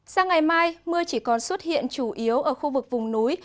sang ngày mai mưa chỉ còn xuất hiện chủ yếu ở khu vực vùng núi